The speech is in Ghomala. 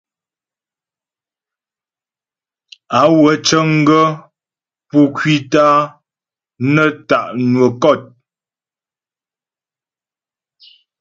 Á wə cə̀ŋ gaə̂ pú ŋkwítə a nə tá' nwə́ kɔ̂t.